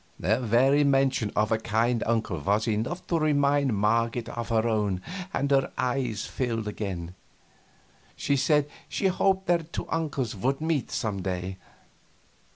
The very mention of a kind uncle was enough to remind Marget of her own, and her eyes filled again. She said she hoped their two uncles would meet, some day.